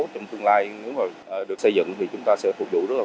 trong tương lai nếu mà được xây dựng thì chúng ta sẽ phục vụ rất là